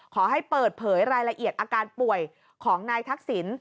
ขอให้เปิดเผยรายละเอียดอาการป่วยของนายทักษิณ